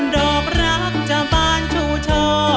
ดอกรักจากบ้านชูช่อ